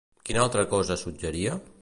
Quina altra cosa suggeria?